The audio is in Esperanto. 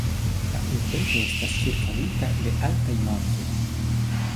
La urbego estas ĉirkaŭita de altaj montoj.